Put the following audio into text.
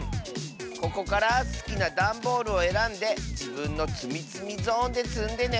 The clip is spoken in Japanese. ここからすきなだんボールをえらんでじぶんのつみつみゾーンでつんでね。